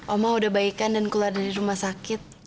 oma udah baikan dan keluar dari rumah sakit